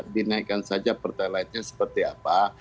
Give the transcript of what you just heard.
dinaikkan saja pertalaidnya seperti apa